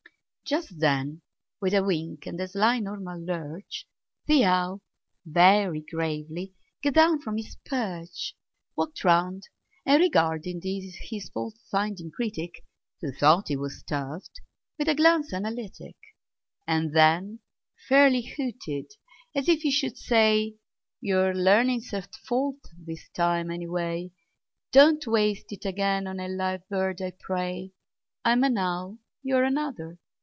Just then, with a wink and a sly normal lurch, The owl, very gravely, got down from his perch, Walked round, and regarded his fault finding critic (Who thought he was stuffed) with a glance analytic, And then fairly hooted, as if he should say: "Your learning's at fault this time, any way; Don't waste it again on a live bird, I pray. I'm an owl; you're another.